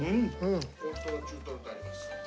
大トロ中トロとあります。